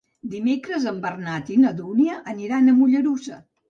Dimecres en Bernat i na Dúnia aniran a Mollerussa.